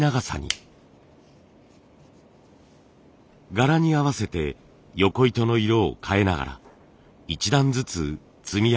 柄に合わせてよこ糸の色を変えながら一段ずつ積み上げていくんです。